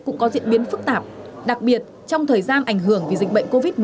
cũng có diễn biến phức tạp đặc biệt trong thời gian ảnh hưởng vì dịch bệnh covid một mươi chín